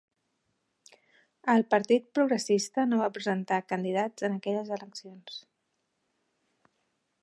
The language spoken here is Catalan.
El Partit Progressista no va presentar candidats en aquelles eleccions.